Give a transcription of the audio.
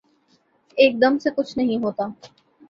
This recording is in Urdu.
ایک دم سے کچھ نہیں ہوتا۔